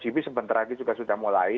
kayak motogp sebentar lagi sudah mulai